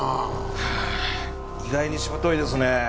あ意外にしぶといですね。